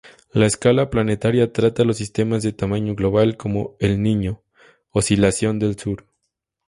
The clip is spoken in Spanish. La escala planetaria trata los sistemas de tamaño global, como El Niño-Oscilación del Sur.